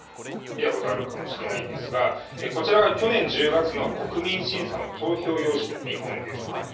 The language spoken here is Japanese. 見たことあるかもしれないんですが、こちらは去年１０月の国民審査の投票用紙の見本です。